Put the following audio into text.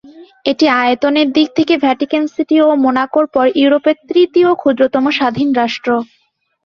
এটি আয়তনের দিক দিয়ে ভ্যাটিকান সিটি ও মোনাকোর পর ইউরোপের তৃতীয় ক্ষুদ্রতম স্বাধীন রাষ্ট্র।